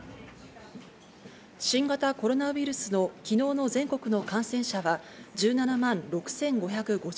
新型コロナウイルスの昨日の全国の感染者は１７万６５５４人。